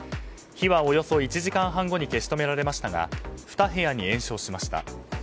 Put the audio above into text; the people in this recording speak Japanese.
火はおよそ１時間半後に消し止められましたが２部屋に延焼しました。